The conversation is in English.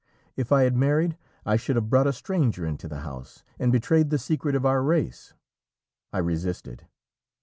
If I had married I should have brought a stranger into the house and betrayed the secret of our race. I resisted.